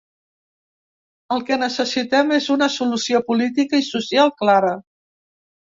El que necessitem és una solució política i social clara.